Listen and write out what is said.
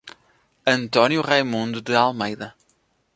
Antônio Raimundo de Almeida